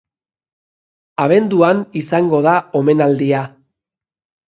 Abenduan izango da omenaldia.